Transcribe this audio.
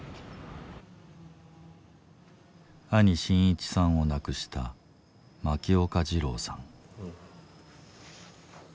兄伸一さんを亡くした牧岡二郎さん。